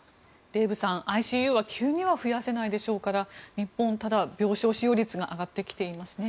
デーブさん、ＩＣＵは急には増やせないでしょうから日本、病床使用率が上がってきていますね。